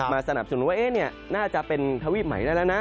สนับสนุนว่าน่าจะเป็นทวีปใหม่ได้แล้วนะ